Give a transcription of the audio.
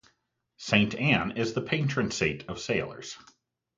Saint Anne is the patron saint of sailors.